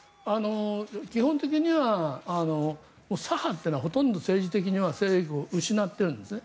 基本的には左派というのはほとんど政治的には勢力を失っているんですね。